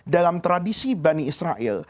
dalam tradisi bani israel